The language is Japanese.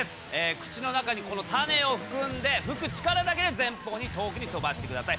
口の中にこの種を含んで吹く力だけで前方に遠くに飛ばしてください。